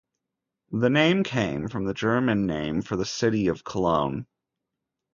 The name came from the German name for the city of Cologne.